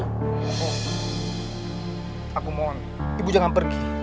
aku mohon ibu jangan pergi